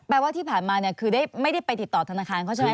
ว่าที่ผ่านมาเนี่ยคือไม่ได้ไปติดต่อธนาคารเขาใช่ไหม